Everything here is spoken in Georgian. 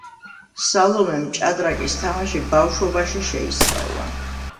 სალომემ ჭადრაკის თამაში ბავშვობაში შეისწავლა.